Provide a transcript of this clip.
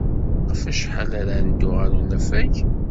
Ɣef wacḥal ara neddu ɣer unafag?